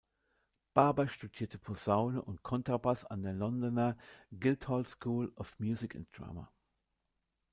Barber studierte Posaune und Kontrabass an der Londoner Guildhall School of Music and Drama.